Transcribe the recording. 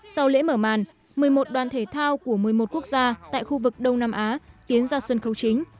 sau lễ mở màn một mươi một đoàn thể thao của một mươi một quốc gia tại khu vực đông nam á tiến ra sân khấu chính